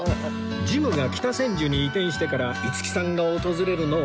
ジムが北千住に移転してから五木さんが訪れるのは初めて